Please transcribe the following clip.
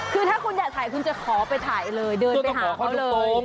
คือถ้าคุณอยากถ่ายคุณจะขอไปถ่ายเลยเดินไปหาเขาเลยต้องขอข้อดูตรง